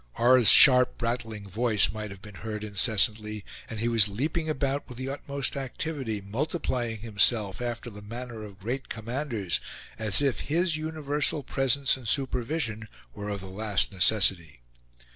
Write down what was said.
R.'s sharp brattling voice might have been heard incessantly; and he was leaping about with the utmost activity, multiplying himself, after the manner of great commanders, as if his universal presence and supervision were of the last necessity.